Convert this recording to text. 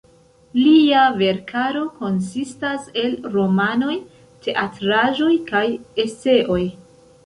Lia verkaro konsistas el romanoj, teatraĵoj kaj eseoj.